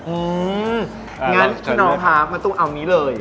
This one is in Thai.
อื้องั้นคุณพามาตรงเอานี้เลย